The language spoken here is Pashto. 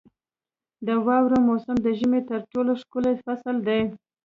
• د واورې موسم د ژمي تر ټولو ښکلی فصل دی.